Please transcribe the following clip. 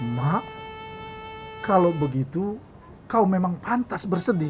mak kalau begitu kau memang pantas bersedih